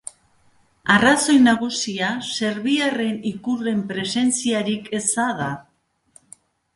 Arrazoi nagusia serbiarren ikurren presentziarik eza da.